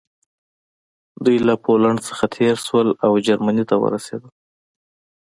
دوی له پولنډ څخه تېر شول او جرمني ته ورسېدل